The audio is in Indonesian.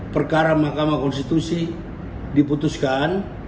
perkara mahkamah konstitusi diputuskan